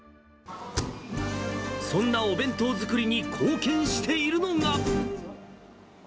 そんなお弁当作りに貢献しているのが。